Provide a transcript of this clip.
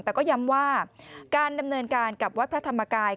แต่ก็ย้ำว่าการดำเนินการกับวัดพระธรรมกาย